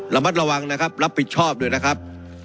ระมัดระวังนะครับรับผิดชอบด้วยนะครับ